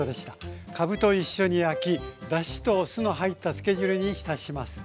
かぶと一緒に焼きだしと酢の入ったつけ汁に浸します。